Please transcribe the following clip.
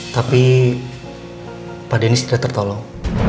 tapi pak dennis tidak tertolong